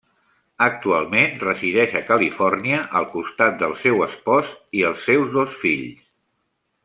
Actualment resideix a Califòrnia al costat del seu espòs i els seus dos fills.